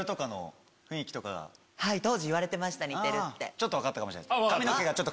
ちょっと分かったかもしれないです。